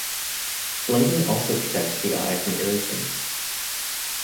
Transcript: Blinking also protects the eye from irritants.